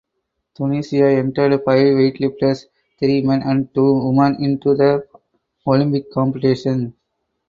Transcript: Tunisia entered five weightlifters (three men and two women) into the Olympic competition.